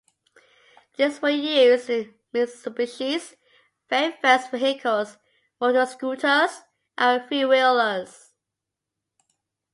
These were used in Mitsubishi's very first vehicles, motor scooters and three-wheelers.